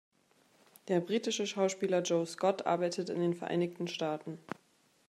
Der britische Schauspieler Joe Scot arbeitet in den Vereinigten Staaten.